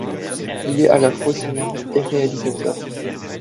Il est à la fois scénariste et réalisateur.